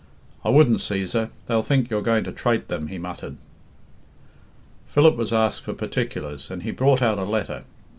"I wouldn't, Cæsar; they'll think you're going to trate them," he muttered. Philip was asked for particulars, and he brought out a letter.